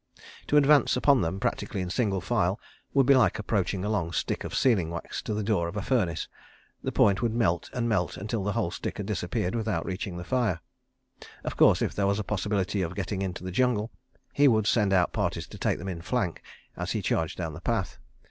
To advance upon them, practically in single file, would be like approaching a long stick of sealing wax to the door of a furnace—the point would melt and melt until the whole stick had disappeared without reaching the fire. ... Of course, if there was a possibility of getting into the jungle, he would send out parties to take them in flank as he charged down the path.